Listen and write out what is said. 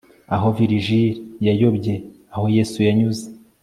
Aho Virgil yayobye aho Yesu yanyuze